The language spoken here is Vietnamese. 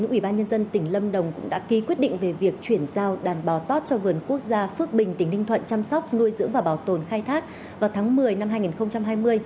ủy ban nhân dân tỉnh lâm đồng cũng đã ký quyết định về việc chuyển giao đàn bò tót cho vườn quốc gia phước bình tỉnh ninh thuận chăm sóc nuôi dưỡng và bảo tồn khai thác vào tháng một mươi năm hai nghìn hai mươi